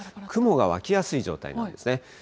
雲が湧きやすい状態なんですね。